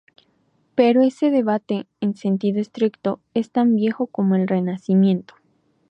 Pero ese debate, en sentido estricto, es tan viejo como el Renacimiento.